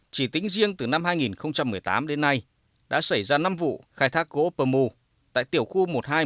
chỉ tính riêng từ năm hai nghìn một mươi tám đến nay đã xảy ra năm vụ khai thác gỗ pơ mu tại tiểu khu một nghìn hai trăm một mươi chín